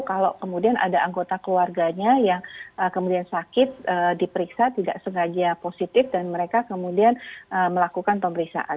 kalau kemudian ada anggota keluarganya yang kemudian sakit diperiksa tidak sengaja positif dan mereka kemudian melakukan pemeriksaan